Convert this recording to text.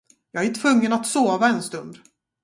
Jag är tvungen att sova en stund.